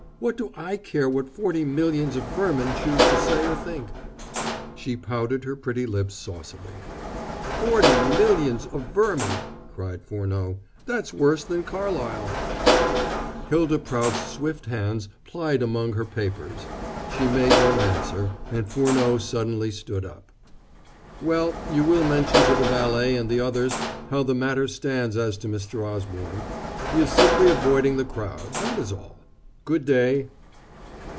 What do I care what forty millions of vermin choose to say or think?" She pouted her pretty lips saucily. "Forty millions of vermin," cried Furneaux; "that's worse than Carlyle." Hylda Prout's swift hands plied among her papers. She made no answer; and Furneaux suddenly stood up. "Well, you will mention to the valet and the others how the matter stands as to Mr. Osborne. He is simply avoiding the crowd that is all. Good day."